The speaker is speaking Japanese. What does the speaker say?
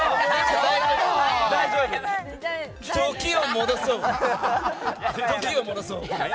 時を戻そう。